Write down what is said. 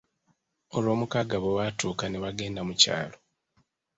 Olwomukaaga bwe lwatuuka ne bagenda mu kyalo.